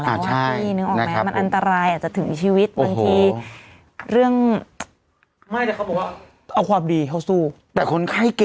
แม้มันอันตรายถึงชีวิตบนทีเรื่องเอาความดีเอาสู้แต่คนไข้